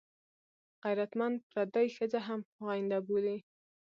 غیرتمند پردۍ ښځه هم خوینده بولي